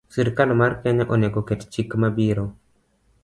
Sirkal mar Kenya onego oket chik ma biro